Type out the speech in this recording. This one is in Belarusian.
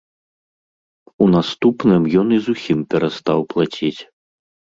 У наступным ён і зусім перастаў плаціць.